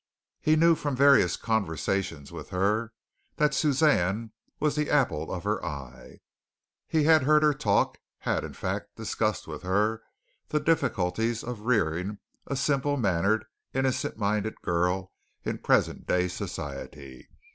He knew from various conversations with her that Suzanne was the apple of her eye. He had heard her talk, had, in fact, discussed with her the difficulties of rearing a simple mannered, innocent minded girl in present day society.